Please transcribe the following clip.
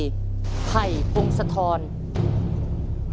ถ้าพร้อมแล้วเรามาดูคำถามทั้ง๕เรื่องพร้อมกันเลยครับ